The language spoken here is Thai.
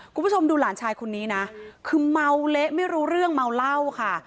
คุณผู้ชมดูหลานชายคนนี้นะคือเมาเละไม่รู้เรื่องเมาเหล้าค่ะ